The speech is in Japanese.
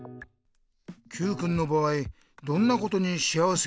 Ｑくんの場合どんなことに幸せをかんじる？